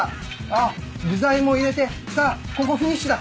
あっ具材も入れてさあここフィニッシュだ。